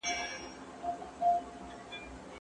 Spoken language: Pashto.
ایډیالوژي باید د واقعیت ځای ونه نیسي.